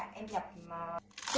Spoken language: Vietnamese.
cái này là của bên nào ạ chị